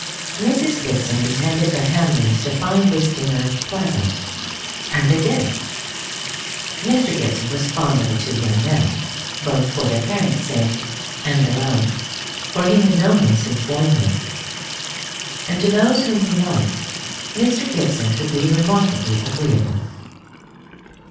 Mrs. Gibson intended the Hamleys to find this dinner pleasant; and they did. Mr. Gibson was fond of the two young men, both for their parents' sake and their own, for he had known them since boyhood; and to those whom he liked Mr. Gibson could be remarkably agreeable.